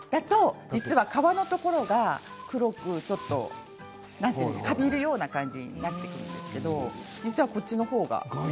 皮のところが実は黒くかびるような感じになってくるんですけど実はこっちの方が。